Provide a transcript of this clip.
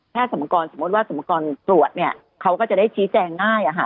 ถ้าสมมกรสมมุติว่าสมกรตรวจเนี่ยเขาก็จะได้ชี้แจงง่าย